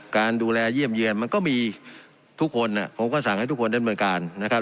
การดูแลเยี่ยมเยี่ยมมันก็มีทุกคนอ่ะผมก็สั่งให้ทุกคนเนี้ยเหมือนกันนะครับ